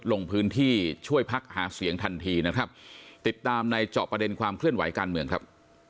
ลงพื้นที่ช่วยพักหาเสียงทันทีนะครับติดตามในเจาะประเด็นความเคลื่อนไหวการเมืองครับ